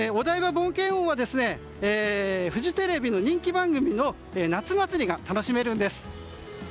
冒険王はフジテレビの人気番組の夏祭りが楽しめるんです。